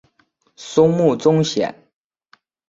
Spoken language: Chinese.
松木宗显。